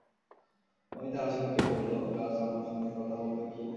অমিতা হাসিমুখে বলল, গাছ আমার সঙ্গে কথা বলবে কি?